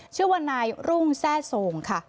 ชื่อว่านายรุ่งแทร่โทรงค่ะ